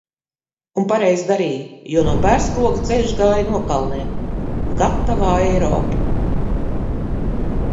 Un pareizi darīju, jo no Bērzukroga ceļš gāja nokalnē. Gatavā Eiropa!